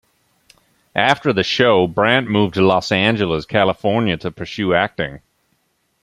After the show, Brandt moved to Los Angeles, California to pursue acting.